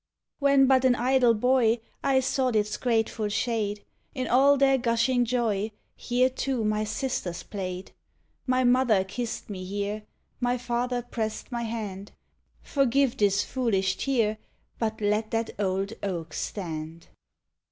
When but au idle boy I sought its grateful shade; In all their gushing joy Here too my sisters played. My mother kissed me here; My father prosed my hand Forgive this foolish tear. Hut let that old oak stand!